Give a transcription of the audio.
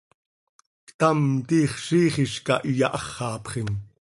Ctam, tiix ziix hizcah iyaháxapxim.